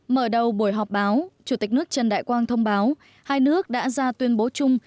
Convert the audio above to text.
mở đầu buổi họp báo chủ tịch nước trần đại quang thông báo hai nước đã ra tuyên bố chung